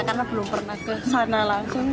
karena belum pernah ke sana langsung